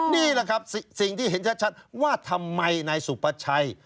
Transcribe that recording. นี่แหละครับสิ่งที่เห็นชัดว่าทำไมนายสุภาชัย